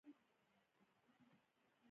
انګور د افغانستان د ملي هویت یوه نښه ده.